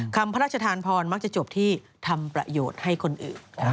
พระราชทานพรมักจะจบที่ทำประโยชน์ให้คนอื่น